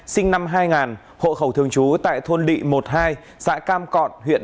sinh năm hai nghìn hộ khẩu thường trú tại thôn lị một hai xã cam cọn